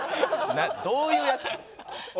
どういうやつ？